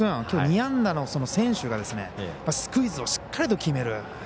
きょう２安打の選手がスクイズをしっかりと決める。